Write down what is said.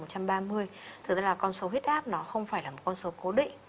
thực ra là con số huyết áp nó không phải là một con số cố định